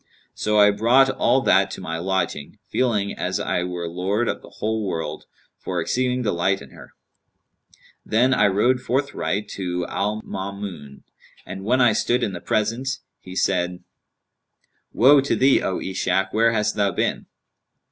So I brought all that to my lodging, feeling as I were lord of the whole world, for exceeding delight in her; then I rode forthright to Al Maamun. And when I stood in the presence, he said, 'Woe to thee, O Ishak, where hast thou been?'